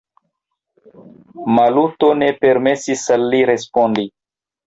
Maluto ne permesis al li respondi.